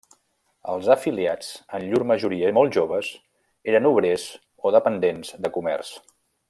Els afiliats, en llur majoria molt joves, eren obrers o dependents de comerç.